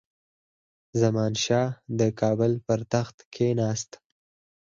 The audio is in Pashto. زمانشاه د کابل پر تخت کښېناست.